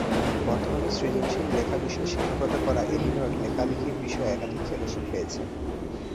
বর্তমানে সৃজনশীল লেখা বিষয়ে শিক্ষকতা করা এলিনর লেখালেখির বিষয়ে একধিক ফেলোশিপ পেয়েছেন।